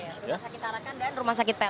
rumah sakit arakan dan rumah sakit pelni